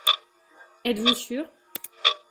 Êtes-vous sûr ?